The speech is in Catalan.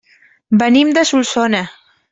Venim de Solsona.